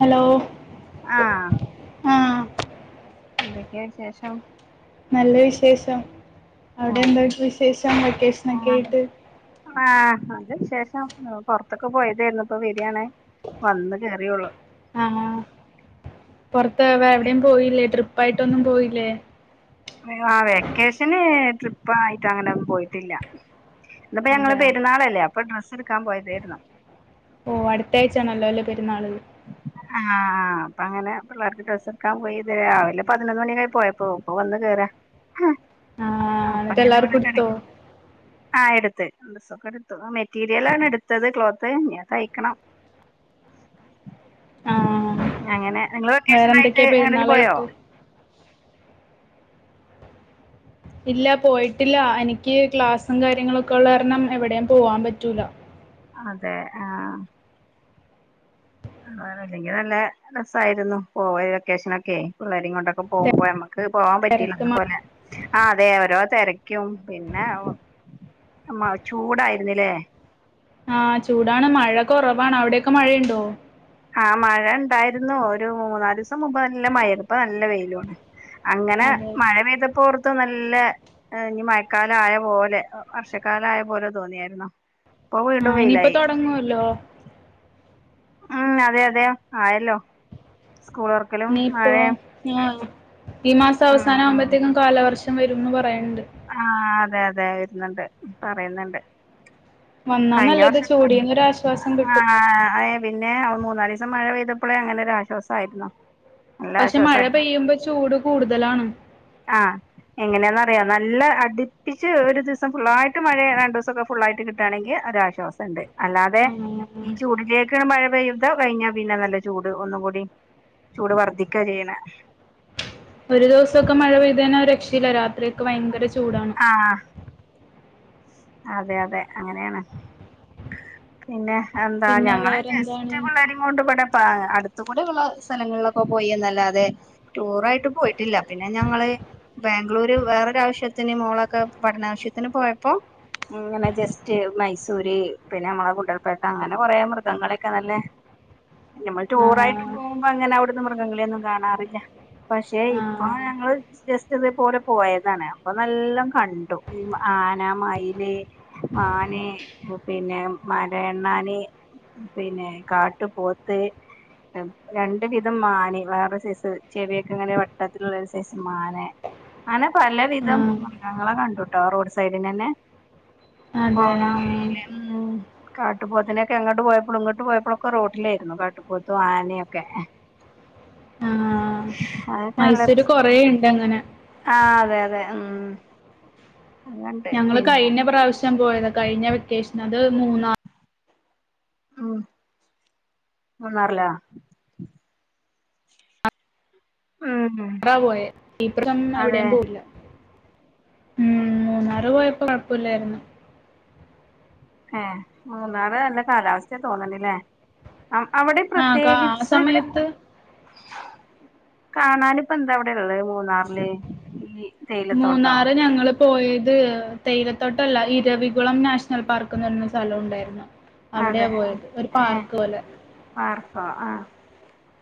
Hello ആഹ് ആ എന്തൊക്കെ വിശേഷം? നല്ല വിശേഷം അവിടെ ആഹ് എന്തൊക്കെ വിശേഷം വൊക്കേഷനൊക്കെ ആഹ് ആയിട്ട് ആഹ് നല്ല വിശേഷം പൊറത്തൊക്കെ പോയതായിരുന്നു, ഇപ്പൊ വരിയാണേ. വന്ന് കേറിയേ ഉള്ളൂ. ആഹ് ആഹ് പൊറത്ത് എവിടെയും പോയില്ലേ? ട്രിപ്പായിട്ടൊന്നും പോയില്ലേ? ഞങ്ങളാ വെക്കേഷന് ട്രിപ്പായിട്ട് അങ്ങനെ ഒന്നും പോയിട്ടില്ല. ഇന്നിപ്പോ ഞങ്ങളെ അതെയോ പെരുന്നാളല്ലേ അപ്പൊ ഡ്രസ്സ് എടുക്കാൻ പോയതായിരുന്നു. ഓഹ് അടുത്തയഴ്ചാണല്ലോ അല്ലേ പെരുന്നാള്. ആഹ് അപ്പങ്ങനെ പിള്ളേർക്ക് ഡ്രസ്സെടുക്കാൻ പോയിതാ, ഇന്ന് പതിനൊന്ന് മണിയൊക്കെയായി പോയപ്പോ ഇപ്പൊ വന്ന് കേറ ആ അപ്പൊ എന്നിട്ട് ഇങ്ങനെ ഇവിടെ എല്ലാവർക്കും എടുത്തോ കെടക്ക് ആഹ് എടുത്തു, ഡ്രസ്സൊക്കെടുത്തു മെറ്റീരിയലാണ് എടുത്തത്, ക്ലോത്ത് ഇനി തയ്ക്കണം. ആ അങ്ങനെ നിങ്ങള് വൊക്കേഷനായിട്ട് വേറെന്തൊക്കെയാ എങ്ങട്ടേലും പോയോ? പെരുന്നാളായിട്ട് ഇല്ല പോയിട്ടില്ല എനിക്ക് ക്ലാസ്സും കാര്യങ്ങളൊക്കെ ഒള്ള കാരണം എവടേം പോവാൻ പറ്റൂല. അതെ ആഹ് അല്ലെങ്കി നല്ല രസായിരുന്നു, പോയ ലൊക്കേഷനൊക്കെ പിള്ളേരേം കൊണ്ടൊക്കെ പോകുമ്പോ നമ്മ ക്ക് പോവാൻ പറ്റില്ല തിരക്ക് അന്ന് മ- പോലെ ആഹ് അതെ ഓരോ തെരയ്ക്കും പിന്നെ [unintelligible] ചൂടായിരുന്നില്ലേ? ആഹ് ചൂടാണ്, മഴ കൊറവാണ്, അവിടെയൊക്കെ മഴയുണ്ടോ? ആഹ് മഴണ്ടായിരുന്നു, ഒരു മൂന്നാലീസം മുമ്പ് നല്ല മഴയാരുന്നു, ഇപ്പ നല്ല വെയിലും ആണ്. അങ്ങനെ അതെ മഴ പെയ്തപ്പോർത്തു നല്ലെ ആഹ് ഇനി മഴക്കാലം ആയ പോലെ വർഷകാലം ആയ പോലെ തോന്നിയാരുന്നോ? ഇപ്പൊ വീണ്ടും വെയിലായി. ഹലോ ഉം അതെയതെ ആയല്ലോ സ്കൂളൊർ ഇനിപ്പോ ആഹ് ഈ ഉം ഉം മാസവസാനാവുമ്പോത്തേക്കും കാലാവർഷം വരുംന്ന് പറയണണ്ട്. ആഹ് അതെയതെ വരുന്നൊണ്ട്, പറയുന്നൊണ്ട്. വന്നാ കഴിഞ്ഞ നല്ലത് വർഷം ചൂടീന്നൊരാശ്വാസം കിട്ടും ആഹ് അതായത് പിന്നെ മൂന്നാലീസം മഴ പെയ്തപ്പൊളേ അങ്ങനൊരു ആശ്വാസം ആയിര്ന്നു. പക്ഷെ മഴ പെയ്യുമ്പൊ ചൂട് കൂടുതലാണ്. ആഹ് എങ്ങനെന്നറിയോ നല്ല അടിപ്പിച്ച് ഒരു ദിവസം ഫുള്ളായിട്ട് മഴ രണ്ടൂസൊക്കെ ഫുുള്ളായിട്ട് കിട്ടാണെങ്കി ഒരാശ്വ സൊണ്ട്, അല്ലാതെ ആ ഈ ചൂടിലേ ക്ക് മഴപെയ്ത കഴിഞ്ഞാ പിന്നെ നല്ല ചൂട് ഒന്നുങ്കുടി ചൂട് വർധിക്കാ ചെയ്യ്ണെ. ഒരു ദിവസൊക്കെ മഴ പെയ്ത് കഴിഞ്ഞ ഒരു രക്ഷയില്ല, രാത്രിയൊക്കെ ഭയങ്കര ചൂടാണ്. ആഹ് അതെയതെ അങ്ങനെയാണ്, പിന്നെ എന്താ പിന്നെ ഞങ്ങള് വേറെന്താണ് ജസ്റ്റ് പിള്ളേരെ ങ്കൊണ്ട് ഇബടെ പ്പ അടുത്തുകൂടള്ള സ്ഥലങ്ങളിലൊക്കെ പോയിന്നല്ലാതെ ടൂറായിട്ട് പോയിട്ടില്ല, പിന്നെ ഞങ്ങള് ബാംഗ്ലൂര് വേറൊരാവശ്യത്തിന് മോളൊക്കെ പഠനാവശ്യത്തിന് പോയപ്പോ ഇങ്ങനെ ജസ്റ്റ് മൈസൂര് പിന്നെ മ്മളെ ഗുണ്ടൽപേട്ട അങ്ങനെ കൊറേ മൃഗങ്ങളൊക്കെ നല്ലേ ഞമ്മൾ ആ ടൂറായ്ട്ട് പോകുമ്പങ്ങനെ അവ്ട്ന്ന് മൃഗങ്ങളെയൊന്നും കാണാറില്ല. പക്ഷെ ആ ഇപ്പൊ ഞങ്ങള് ജസ് റ്റ് ഇതേപോലെ പോയതാണ്, അപ്പൊ നല്ലൊം കണ്ടു, ഈ ആന, മയി ല്, മാനേ പിന്നെ മരയണ്ണാന് പിന്നെ കാട്ടു പോത്ത് രണ്ട് വിധം മാന് വേറെ സൈസ് ചെവിയൊക്കെങ്ങനെ വട്ടത്തിലുള്ളൊരു സൈസസ് മാനേ അങ്ങനെ ആ പലവിധം മൃഗങ്ങളെ കണ്ടുട്ടോ റോഡ് സൈഡിന്നന്നെ- അതെ പോണവഴീല് ഉം. കാട്ടുപോത്തിനൊക്കെ അങ്ങട്ട് പോയപ്പളും ഇങ്ങട്ട് പോയപ്പളൊക്കെ റോട്ടിലായിര്ന്നു കാട്ടുപോത്തും ആനൊക്കെ- ആഹ് മൈസൂര് കൊറേ ഇണ്ടങ്ങനെ- ആഹ് അതെയതെ ഉം. അതുണ്ട് ഞങ്ങള് പിന്നെ കഴിഞ്ഞ പ്രാവ്ശ്യം പോയത കഴിഞ്ഞ വെക്കേഷന് അത് മൂന്നാ ഉം മൂന്നാറിലാ? ഉം അവിടാ പോയെ ഈ പ്രവശ്യം അതെ എവിടേം പോയില്ല. ഉം മൂന്നാറ് പോയപ്പോ കൊഴപ്പല്ലായിരുന്നു. ഏഹ് മൂന്നാറ് നല്ല കാലാവസ്ഥേ തോന്ന്ണ്ട് ല്ലേ- അം അവിടെ ആഹ് കാ ആ പ്രത്യേകിച്ച് സമയത്ത് കാണാനിപ്പൊന്താ അവിടെ ഇള്ളെ മൂന്നാറില് ഈ- തേയിലത്തോട്ടോ മൂന്നാറ് ഞങ്ങള് പോയത് തേയിലത്തോട്ടല്ല ഇരവികുളം നാഷണൽ പാർക്ക്ന്ന് പറഞ്ഞൊരു സ്ഥലംണ്ടായിരുന്നു. അവിടെയാ പോയത് ഒരു പാർക്ക് പോലെ- പർക്കോ ആഹ്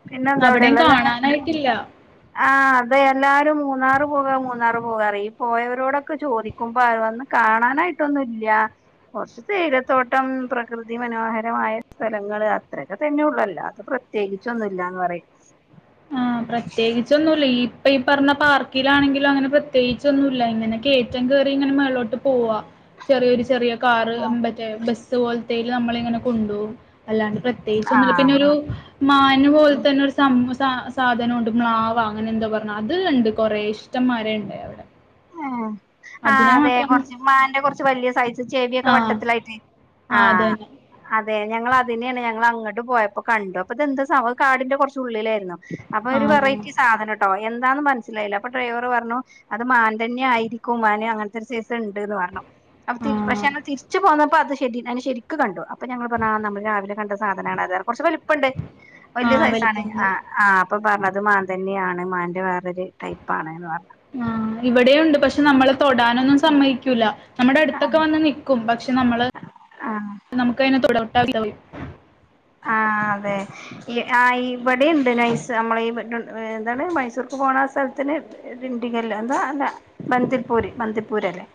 പിന്നെന്താ അവിടെയും അവിടെയുള്ളെ എല്ലാരും കാണാനായിട്ടില്ല ആഹ് അതെ എല്ലാരും മൂന്നാറ് പോക മൂന്നാറ് പോക പറേം ഈ പോയവരോടൊക്കെ ചോദി ക്ക്പോ അവര് വന്ന് കാണാനായിട്ടൊന്നും ഇല്ല, കൊറച്ച് തേയിലത്തോട്ടം പ്ര പ്രകൃതി മനോഹരമായ സ്ഥലങ്ങൾ, അത്രക്കെ തന്നെയൊള്ള് അല്ലാതെ പ്രത്യേകിച്ചൊന്നുമില്ലാന്ന് പറയും. [inaudible] ആഹ് പ്രത്യേകിച്ച് ച്ചൊന്നുല്ല. ഇപ്പൊ ഈ പറഞ്ഞ പാർക്കിലണെങ്കിലും. അങ്ങനെ പ്രതേകിച്ചൊന്നുല്ല. ഇങ്ങനെ കയറ്റം കയറി ഇങ്ങന മേൾ പോവാ, ചെറിയൊരു ചെറിയ കാറ്, മറ്റേ ബസ് പോലത്തേൽ നമ്മളെ ഇങ്ങനെ കൊണ്ടുപോവും. അല്ലാണ്ട് പ്രത്യേകിച്ച് ഒന്നുല്ല. ആഹ് പിന്നെ ഒരു മാന് പോലെ ഉം തന്നെ ഒരുസംഭ സ സാധനം ഉണ്ട് മ്ലാവ. അങ്ങനെ എന്താ പറഞ്ഞ അത് ഉണ്ട് കൊറെ ഇഷ്ടമാരെ ഇണ്ട് അവിടെ ആഹ് അതിനെ ആഹ്അതെ മാത്രം കൊറച്ച് മാന്റെ കുറച്ച് വലിയ സൈസ് ചേവിയൊക്കെ ആഹ് വട്ടത്തിലായിട്ട് ആഹ് അതെ ഞങ്ങൾ അതിനെയാണ് ഞങ്ങൾ അങ്ങോട്ട് പോയപ്പോ കണ്ടു. അപ്പൊ ഇതെന്താ സമ കാടിന്റെ കൊറച്ച് ഉള്ളിലായിരുന്നു. അപ്പൊ ഒരു ആഹ് ആഹ് വെറൈറ്റി സാധനട്ടോ, എന്താന്ന് മനസ്സിലായില്ല അപ്പൊ ഡ്രൈവർ പറഞ്ഞു അത് മാ തന്നെ ആയിരിക്കും. മാൻ അങ്ങനത്തെ ഒരു സൈസ് ഇണ്ടെന്ന് പറഞ്ഞു. അപ്പോ തിരി പക്ഷേ ആഹ് തിരി ച്ച് പോന്നപ്പോ അത് ശരി അ ശരിക്ക് കണ്ടു. അപ്പ ഞങ്ങള് പറഞ്ഞു നമ്മള് രാവിലെ കണ്ട സാധനാണ് അത് കുറച്ച് വലിപ്പം ഉണ്ട്. വലിയ ആഹ് സൈസാണ് വലിപ്പണ്ട് ആഹ് ആഹ് അപ്പൊ പറഞ്ഞത് മാൻ തന്നെയാണ്, മാന്റെ വേറൊരു ടൈപ്പ് ആണ്ന്ന് പറഞ്ഞു. ആഹ് ഇവിടെ ഉണ്ട് പക്ഷെ നമ്മളെ തൊടാനൊന്നും സമ്മയിക്കൂല, നമ്മുടെ അടുത്തൊക്കെ വന്ന് നിക്കും പക്ഷെ നമ്മള് ആ നമുക്ക് അതിനെ തൊടട്ടാതാവും- ആഹ് അതെ. ആഹ് ഇവിടെ ഉണ്ട്. നൈസ് നമ്മളെ ഈ ബെ ട് എന്താണ് മൈസൂർക്ക് പോണ സ്ഥലത്തിന് ദിണ്ടികല്. എന്താ അല്ല ബന്തിപ്പൂര്, ബന്തിപ്പൂര് അല്ലേ.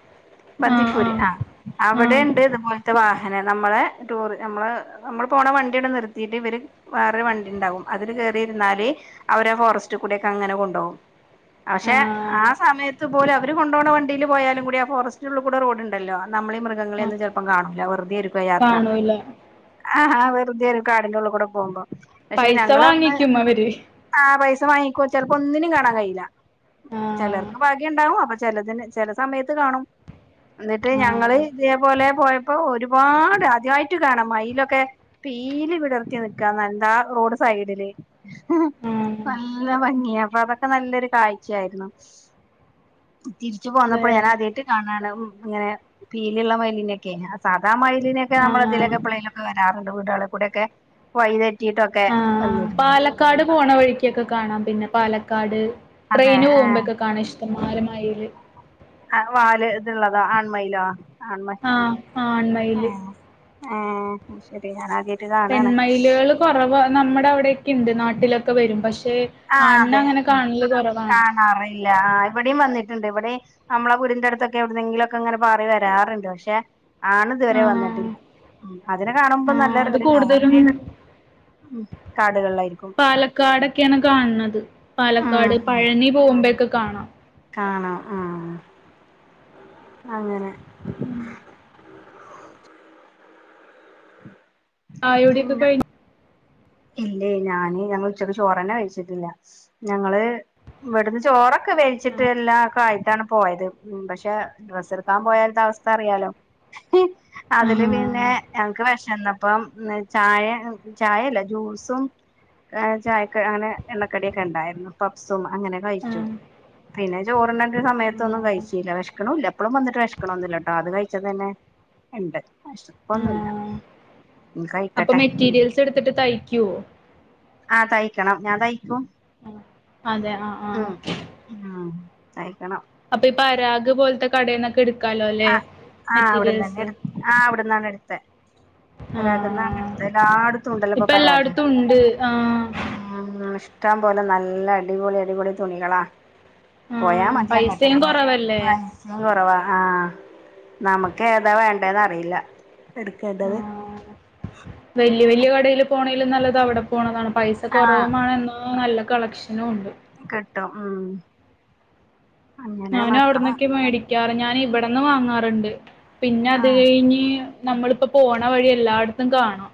ബന്തിപ്പൂര്. ആഹ് അവിടെ ആഹ് ഉണ്ട്. ഇതുപോൽ ഇവിടുത്തെ വാഹനം നമ്മളെ ടൂറ് നമ്മള് നമ്മൾ പോണ വണ്ടി അവിടെ നിർത്തിയിട്ട് ഇവര് വേറെ വണ്ടി ഉണ്ടാവും. അതില് കയറി ഇരുന്നാലേ അവരെ ആ ഫോറസ്റ്റ് കൂടെ ഒക്കെ അങ്ങനെ കൊണ്ടൊവും. പക്ഷെ ആ ആഹ് സമയത്ത് പോലും അവര് കൊണ്ടുപോണ വണ്ടിയിൽ പോയാലും കൂടി ആ ഫോറസ്റ്റുള്ള് കൂടിയുള്ള റോഡ്ണ്ടല്ലോ നമ്മള് ഈ മൃ ആഹ് ങ്ങളന്നും ചിലപ്പോൾ കാണൂല വെറുതെയിരിക്കു യാത്ര. കാണൂല. ആഹ് പുതിയൊരു കാടിന്റെ ഉള്ളിൽ കൂടെ പോകുമ്പോ, പക്ഷെ പൈസ ഞങ്ങൾ അന്ന് വാങ്ങിക്കും അവര്. ആ പൈസ വാങ്ങിക്കോ ചിലപ്പോ ഒന്നിനും കാണാൻ കഴിയില്ല. ആഹ് ചിലർക്ക് ഭാഗ്യം ഉണ്ടാവും, അപ്പൊ ചിലതിന് ചില സമയത്ത് കാണും. എന്നിട്ട് ഞങ്ങള് ആഹ് ഇതേപോലെ പോയ അപ്പൊ ഒരുപാട് ആദ്യമായിട്ട് കാണാം. മയിലൊക്കെ പീലി വിടർത്തി നിക്കാ, നല്ല റോഡ് സൈഡില്. ആഹ് നല്ല ഭംഗിയ അപ്പൊ അതൊക്കെ നല്ലൊരു കാഴ്ചയായിരുന്നു. [unintelligible] തിരിച്ചു വേ പോന്നപ്പോൾ ഞാൻ ആദ്യമായിട്ട് കാണാണ്, ഇങ്ങനെ പീലിയുള്ള മയിലിനൊക്കെ, സാധാ മയിലിനൊക്കെ നമ്മള് ഇതിലൊക്കെ ആഹ് എപ്പളങ്കിലൊക്കെ വരാറുണ്ട്. വീടുകൾ കൂടെ ഒക്കെ വഴി തെറ്റിട്ടൊക്കെ ആഹ് വന്നിട്ട് പാലക്കാട് പോണ വഴിക്ക്ക്കെ കാണാം. പിന്നെ പാലക്കാട് അതെ ട്രെയിന് ഏഹ് പോകുമ്പോഴക്കെ കാണാ ഇഷ്ടം കുമാര മയിൽ ആഹ് വാല് ഇത്ള്ളതാ ആൺമയിലോ, ആൺമ ആഹ് ആ ഹ് ആൺ മ ഏഹ് ഏഹ് അയ് ശരി ഞാൻ ആദ്യയിട്ട് കാണാണ്. കുറവ് നമ്മുടെ അവിടെക്കെ ഉണ്ട്. നാട്ടിലൊക്കെ വരും പക്ഷെ ആഹ് ആണിനെ അതെ അങ്ങനെ കാണല് കൊറവാണ് കാണാറില്ല. ആ അതെ ഇവിടെയും വന്നിട്ടുണ്ട്. ഇവിടെ നമ്മളെ വിടിന്റെ അടുത്തൊക്കെ എവിടുന്നെങ്കിലുംക്കെ ഇങ്ങനെ പറി വരാറുണ്ട് പക്ഷെ ആണ് ഇതുവരെ ആഹ് വന്നിട്ടില്ല. അതിനെ കാണുമ്പോ ആഹ് നല്ല അത് ഒരു കൂടുതലും ഉം കാടുകളിലായിരിക്കും. ക്കാടൊക്കെയാണ് കാണുന്നത് ഉം പാലക്കാട് ഉം പഴനി പോകുമ്പോഴൊക്കെ കാണാം. കാണാം ഉ അങ്ങനെ ഉം ചായുടിയൊക്കെ പിന്ന കഴിഞ്ഞ് ഇല്ലേ ഞാന് ഞങ്ങൾ ഉച്ചക്ക് ചോറന്നെ കഴിച്ചിട്ടില്ല ഞങ്ങള് ഇവിടുന്ന് ചോറ് ഒക്കെ വേടിച്ചിട്ട് എല്ലാക്കെ ആയിട്ടാണ് പോയത് പക്ഷെ ഡ്രസ് എടുക്കാൻ പോയാലത്തെ അവസ്ഥ അറിയാലോ അതില് ആഹ് പിന്നെ ഞങ്ങക്ക് വിശ ന്നപ്പോ അപ്പം ചായ ചായയല്ല ജ്യൂസും ചായക്ക അങ്ങനെ എണ്ണക്കടിയോക്കെ ഉണ്ടായിരുന്നു പഫ്സും അങ്ങനെ കഴിച്ചു ആഹ് പിന്നെ ചോറുണ്ണേന്റെ സമയത്തൊന്നും ആഹ് കഴിച്ചില്ല വിശക്കണൂല്ല എപ്പഴും വന്നിട്ട് വിശക്കണൊന്നുമില്ലാട്ടോ അത് കഴിച്ചത് തന്നെ ഉണ്ട് വിശപ്പൊന്നുമില്ല ആഹ് അപ്പൊ മെറ്റീരിയൽസ് എടുത്തിട്ട് തയ്ക്കുവോ ആഹ തയ്ക്കണം ഞാൻ തയ്ക്കും അതെ ആഹ ആഹ് ആഹ് ആഹ് തഴിക്കണം അപ്പൊ ഈ പരാഗ് പോലത്തെ കടേന്നൊക്കെ എടുക്കാലോ അല്ലേ ആഹ ആഹ് അവിടന്നന്നെ മെറ്റീരിയൽസ് എടുത്തെ ആഹ് അവിടന്നാണ് എടുത്തെ പരാഗ് ന്നാണ് ആഹ് എടുത്ത് എല്ലാടെത്തും ഉണ്ടല്ലോ ഇപ്പോ ഇപ്പൊ പരാഗ് എല്ലായിടത്തും ഉണ്ട് ആ ഉം ഇഷ്ടം പോലെ നല്ല അടിപൊളി അടിപൊളി തുണികളാ ആ പോയാ മതി അങ്ങോട്ട് പൈസയും കൊറവല്ലേ പൈസയും കുറവാ ആഹ നമുക്ക് ഏതാ വേണ്ടന്ന് അറിയില്ല ആ എടുക്കേണ്ടത് വല്യ വല്യ കടേല് പോണെലും നല്ലത് അവിടെ പോണതാണ് പൈസ ആ കുറവുമാണ് എന്ന നല്ല കളക്ഷൻ കളക്ഷനുമുണ്ട് കിട്ടും ഉം അങ്ങനെ ഞാനും മക്കള് അവിടന്നൊക്കെ മേടിക്കാറ് ഞാൻ ഇവിടന്ന് വാങ്ങാറ്ണ്ട് പിന്നെ ആ അത് കഴിഞ്ഞ് നമ്മളിപ്പ പോണ വഴി എല്ലാടത്തും കാണാം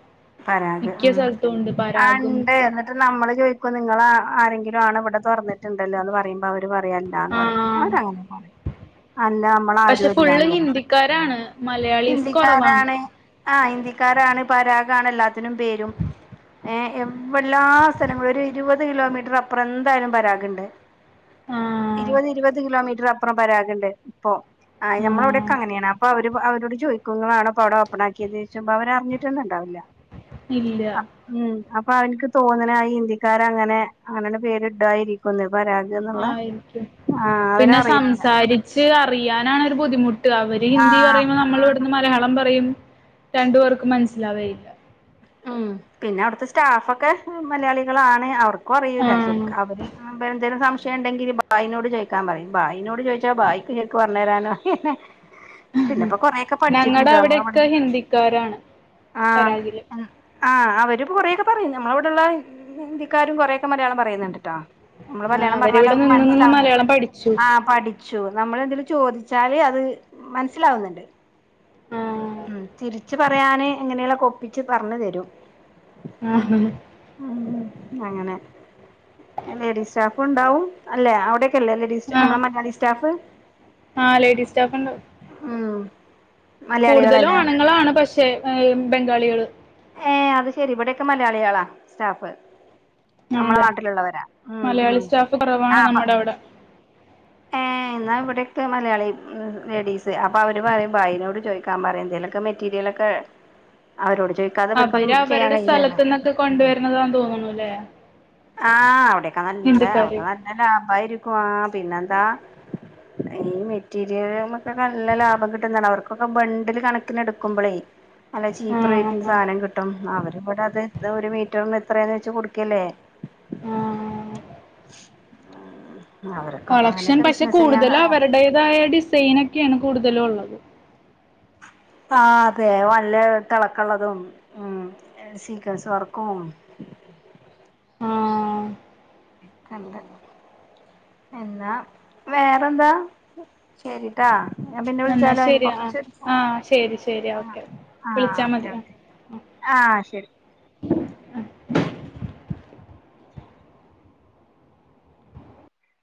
പരാഗ് മിക്ക ഉം സ്ഥലത്തും ഉണ്ട് ആഹ് പരാഗും ഇണ്ട് ആഹ് നമ്മള് ചോയ്ക്കും നിങ്ങള ആരെങ്കിലും ആണ് ഇവിടെ തൊറന്നിട്ടുണ്ടല്ലോന്ന് പറയുമ്പോ അവര് പറയും അ ല്ലാന്ന് ആ പറയും അവരങ്ങനെ പറയും അല്ലാ നമ്മളാരും പക്ഷെ ഫുള്ള് അല്ലാന്ന് പറയും ഹിന്ദിക്കാരാണ് മലയാളീസ് കൊറവാണ് ഹിന്ദിക്കാരാണ് ആഹ് ഹിന്ദിക്കാരാണ് പരാഗാണ് എല്ലാത്തിനും പേരും ഏഹ് എവ്വ്ല്ലാ സ്ഥലങ്ങളും ഒരു ഇരുപത് കിലോമീറ്ററർ അപ്പുറം എന്തായാലും പരാഗ്ണ്ട് ആ ഇരുപത് ഇരുപത് കിലോമീറ്റർ അപ്പുറം പരാഗ്ണ്ട് ഇപ്പൊ ആഹ് ഞമ്മടിവ്ടെക്കെ ആ അങ്ങനെയാണ് അപ്പൊ അവ ര് അവരോട് ചോദിക്കും ഇങ്ങളാണോ ഇപ്പവിടെ ഓപ്പൺ ആക്കിയേന്ന് ചോയ്ക്കുമ്പോ അവര് അറിഞ്ഞിട്ടന്നേണ്ടാവില്ല ഇല്ല ഉം അപ്പൊ അവനിക്ക് തോന്നണ് ആ ഹിന്ദിക്കാരങ്ങനെ അങ്ങനന്നെ പേര് ഇടുവായിരിക്കൂന്ന് പരാഗ് എന്നുള്ള ആയിരിക്കും ആഹ് പിന്നെ അവരറിയൂല്ല സംസാരി ച്ച് അറിയാനാണൊരു ബുദ്ധിമുട്ട് അവര് ഹിന്ദി ആഹ് പറയുമ്പോ നമ്മള് ന്ന് മലയാളം പറയും രണ്ട് പേർക്കും മനസ്സിലാവേയില്ല ഉം പിന്നെ അവിട്ത്തെ സ്റ്റാഫക്കെ മലയാളികളാണ് അവർ ക്കും അറിയൂല്ല ആഹ് ശരിക്കും അവര് ഉം എന്തേലും സംശ ശെണ്ടെങ്കില് ബായിനോട് ചോയ്ക്കാൻ പറയും ബായിനോട് ചോയ്ച്ചാ ഭായിക്ക് ഇങ്ങക്ക് പറഞ്ഞ് തരാനൊ പിന്നിപ്പ കൊറെയൊക്കെ ഞങ്ങടെ പഠിച്ചിട്ട്ണ്ട് നമ്മളിവ്ടെ അവിടെയൊക്കെ ഹിന്ദിക്കാരാണ് ആഹ് പരാഗില് ഉം ആഹ് അവര്പ്പം കൊറെയൊക്കെ പറയും നമ്മളിവ്ട്ള്ള ഹിന്ദിക്കാരും കൊറെേയൊക്കെ മലയാളം പറയ്ന്ന്ണ്ട്ട്ടാ നമ്മള് ആഹ് മലയാളം പറഞ്ഞാല് അവരിവിടെ അവർക്ക് നിന്ന് നിന്ന് മനസ്സിലാവ്ന്നുണ്ട് മലയാളം പഠിച്ചു ആഹ് പഠിച്ചു നമ്മളെന്തേലും ചോദിച്ചാല് അത് മനസ്സിലാവ്ന്നുണ്ട് ആഹ് ഉം തിരിച്ച് പറയാന് എങ്ങനേല്വൊക്കെ ഒപ്പിച്ച് പറഞ്ഞ് തരും ആഹ് ഉം അങ്ങനെ ലേഡീസ് സ്റ്റാ പ്പം ഉണ്ടാവും അല്ലെ അവിടെക്കില്ലേ ലേഡീസ് ആഹ് നമ്മടെ മലയാളി സ്റ്റാഫ് ആഹ് ലേഡീസ് സ്റ്റാഫ് ഉണ്ട് ഉം കൂടുതലും മലയാളികളല്ലേ ആണുങ്ങളാണ് പക്ഷേ ഏഹ് ബംഗാളികള് ഏഹ് അത് ശെരി ഇവിടെക്കെ മലയാളികളാ സ്റ്റാഫ് നമ്മളെ ആണല്ലേ നാട്ടിലുള്ളവരാ ഉം മലയാളി ഉം സ്റ്റാഫ് കൊറവാണ് ആഹ് നമ്മടവ്ടെ ഏഹ് എന്നാ ഇവിടെക്കെ മലയാളി ഉം ലേഡീസ് അപ്പൊ അവര് പറയും ബായിനോട് ചോയ്ക്കാൻ പറയും എന്തേലൊക്കെ മെറ്റ് മെറ്റീരിയലക്കെ അവരോട് ചോയ് അവര് അവര്ടെ സ്ഥലത്ത്ന്നക്കെ കൊണ്ടുവരുന്നതാന്ന് തോന്ന്ണൂല്ലേ ആഹ് അവിടെക്കെ നല്ല അവ്ടെ നല്ല ലാഭാരിക്കും ആഹ് പിന്നെന്താ ഈ മെറ്റീരിയല്മക്കക്കെ നല്ല ലാഭം കിട്ടുന്നതാണ് അവർക്കൊക്കെ ബണ്ടില് കണക്കിന് എടുക്കുമ്പളേ നല്ല ചീപ്പ് ആഹ് റേറ്റിന്റെ ആഹ് സാധനം കിട്ടും അവര്വ്ടെ അത് ന്താ ഒരു മീറ്ററ്ന്ന് എത്രയാന്ന് വെച്ച് കൊടുക്കല്ലേ ആഹ് ഉം അവര്കൊക്കെ അങ്ങനെയൊക്കെ ബിസ്നെസ് ചെയ്യാ ഇതായ ഡിസൈനക്കെയാണ് കൂടുതലും ഒള്ളത് ആഹ് അതെ വല്ല തെളക്ക്‌ള്ളതും ഉം സീക്വിൻസ് വർക്കും ഉം കണ്ട് എന്നാ വേറെന്താ ശെരീട്ടാ ഞാൻ പിന്നെ എന്നാ വിളിച്ചാലോ എനി ശരി ആഹ് കൊറച്ച് ആഹ് ശരി ശരി ആഹ് ഓക്കെ ആഹ് വിളിച്ചാ ഓക്കെ മതി ആഹ് ഓക്കെ ആഹ് ശരി